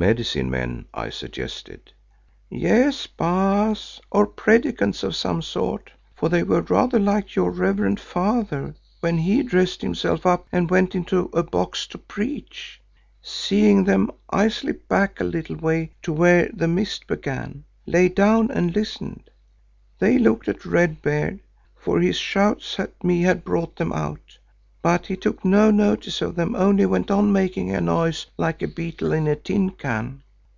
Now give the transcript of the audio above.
"Medicine men," I suggested. "Yes, Baas, or Predikants of some sort, for they were rather like your reverend father when he dressed himself up and went into a box to preach. Seeing them I slipped back a little way to where the mist began, lay down and listened. They looked at Red Beard, for his shouts at me had brought them out, but he took no notice of them, only went on making a noise like a beetle in a tin can.